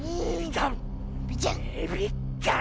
エビちゃん！